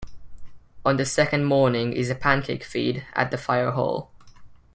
On the second morning is a pancake feed at the firehall.